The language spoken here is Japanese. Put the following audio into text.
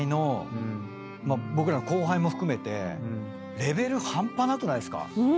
僕らの後輩も含めてレベル半端なくないっすか？